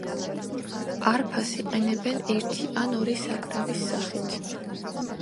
არფას იყენებენ ერთი ან ორი საკრავის სახით.